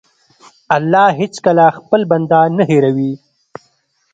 الله هېڅکله خپل بنده نه هېروي.